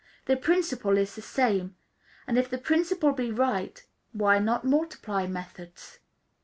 The principle is the same; and if the principle be right, why not multiply methods?